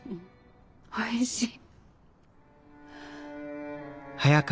おいしい！